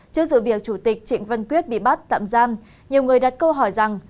trước sự việc chủ tịch trịnh văn quyết bị bắt tạm giam nhiều người đặt câu hỏi rằng